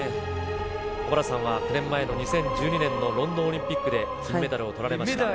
小原さんは９年前の２０１２年のロンドンオリンピックで、金メダルをとられました。